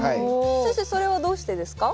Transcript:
先生それはどうしてですか？